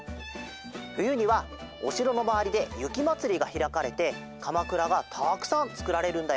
ふゆにはおしろのまわりでゆきまつりがひらかれてかまくらがたくさんつくられるんだよ。